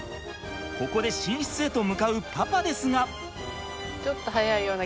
ここで寝室へと向かうパパですが。